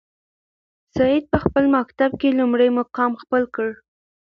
سعید په خپل مکتب کې لومړی مقام خپل کړ.